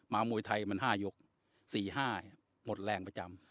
มามวยไทยมันห้ายกสี่ห้าหมดแรงประจำ